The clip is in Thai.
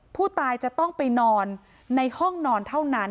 ผู้ตายจะต้องไปนอนในห้องนอนเท่านั้น